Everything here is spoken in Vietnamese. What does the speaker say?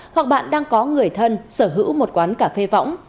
hoặc bạn đang có người thân sở hữu một quán cà phê võng